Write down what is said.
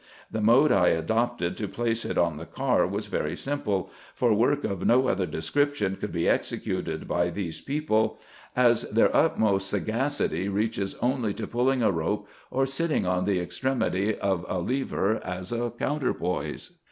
The mode I adopted to place it on the car was very simple, for work of no other description could be executed by these people, as their g 2 44 RESEARCHES AND OPERATIONS utmost sagacity reaches only to pulling a rope, or sitting on the extremity of a lever as a counterpoise.